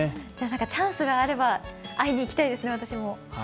チャンスがあれば、私も会いに行きたいですね。